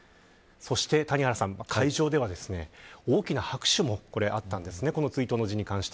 そして谷原さん、会場ではですね大きな拍手も、これあったんですね